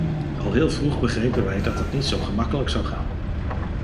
Al heel vroeg begrepen wij dat dat niet zo gemakkelijk zou gaan.